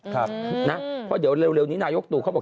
เพราะเดี๋ยวเร็วนี้นายกตู่เขาบอก